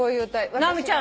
直美ちゃん。